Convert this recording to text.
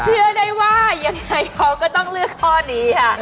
เชื่อได้ว่ายังไงเขาก็ต้องเลือกข้อนี้ค่ะ